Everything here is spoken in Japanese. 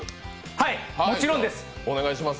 はい、もちろんです。